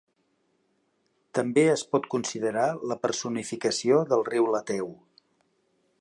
També es pot considerar la personificació del riu Leteu.